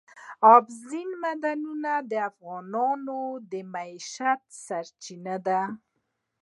اوبزین معدنونه د افغانانو د معیشت سرچینه ده.